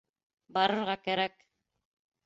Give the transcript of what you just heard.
Барырға кәрәк...